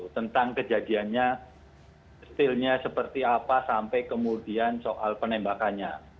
tentang kejadiannya stillnya seperti apa sampai kemudian soal penembakannya